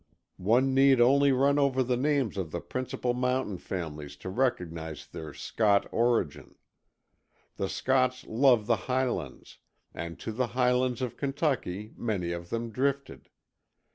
One need only run over the names of the principal mountain families to recognize their Scot origin. The Scots love the highlands, and to the "highlands" of Kentucky many of them drifted.